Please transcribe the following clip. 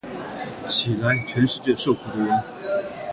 起来，全世界受苦的人！